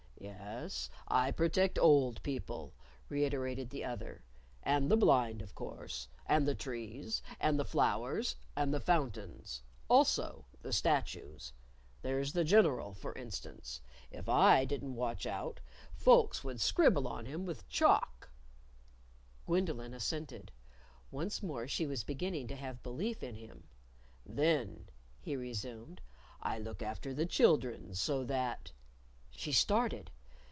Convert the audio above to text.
"Yes, I protect old people," reiterated the other, "and the blind, of course, and the trees and the flowers and the fountains. Also, the statues. There's the General, for instance. If I didn't watch out, folks would scribble on him with chalk." Gwendolyn assented. Once more she was beginning to have belief in him. "Then," he resumed, "I look after the children, so that " She started.